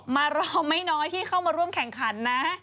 มารอไม่น้อยที่เข้ามาร่วมแข่งขันนะ